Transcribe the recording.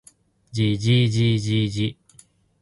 じじじじじ